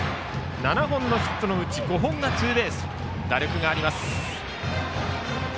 ７本のヒットのうち５本がツーベースと打力があります。